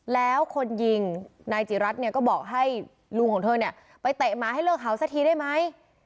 แล้วคนยิงนายจิรัตน์เนี่ยก็บอกให้ลุงของเธอเนี่ยไปเตะหมาให้เลิกเขาสักทีได้ไหม